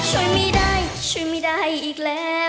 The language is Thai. ช่วยไม่ได้ช่วยไม่ได้อีกแล้ว